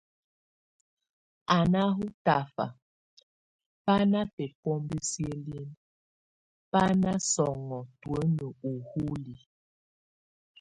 A nahɔ tafa, bá na bebombo sielin, bá na sɔŋɔ tuen uhúli.